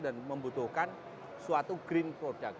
dan membutuhkan suatu green product